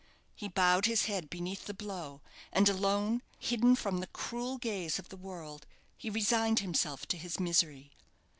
He bowed his head beneath the blow, and alone, hidden from the cruel gaze of the world, he resigned himself to his misery.